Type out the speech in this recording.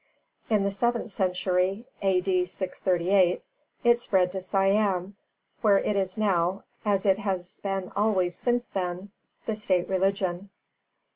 In the seventh century (A.D. 638) it spread to Siam, where it is now, as it has been always since then, the State religion.